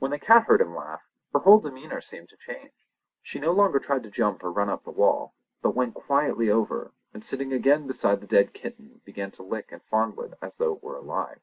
When the cat heard him laugh, her whole demeanour seemed to change. She no longer tried to jump or run up the wall, but went quietly over, and sitting again beside the dead kitten began to lick and fondle it as though it were alive.